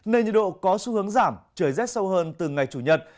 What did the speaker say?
nên nhiệt độ có xu hướng giảm trời rét sâu hơn từ ngày chủ nhật